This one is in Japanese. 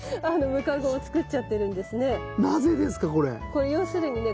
これ要するにね